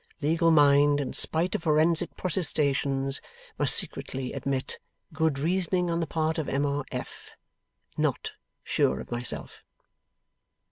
Legal mind, in spite of forensic protestations, must secretly admit, "Good reasoning on the part of M. R. F. NOT sure of myself."